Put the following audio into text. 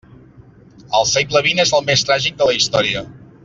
El segle vint és el més tràgic de la història.